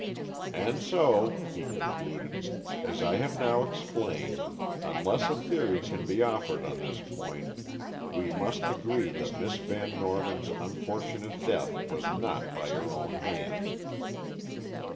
"And so," he concluded, "as I have now explained, unless a theory can be offered on this point, we must agree that Miss Van Norman's unfortunate death was not by her own hand."